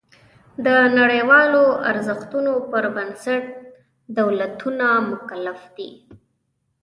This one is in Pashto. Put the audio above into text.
د نړیوالو ارزښتونو پر بنسټ دولتونه مکلف دي.